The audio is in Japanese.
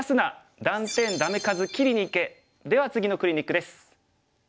では次のクリニックです。